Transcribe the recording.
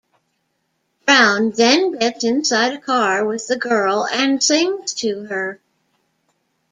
Brown then gets inside a car with the girl and sings to her.